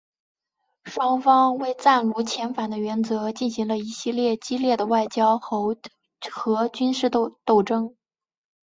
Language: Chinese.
双方为战俘遣返的原则进行了一系列激烈的外交和军事斗争。